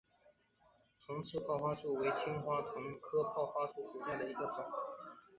重齿泡花树为清风藤科泡花树属下的一个种。